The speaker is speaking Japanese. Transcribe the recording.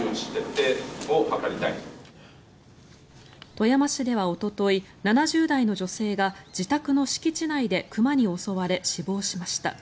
富山市ではおととい７０代の女性が自宅の敷地内で熊に襲われ死亡しました。